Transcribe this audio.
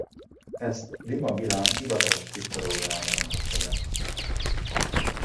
Ezt Dima Bilan hivatalos Twitter-oldalán jelentett be.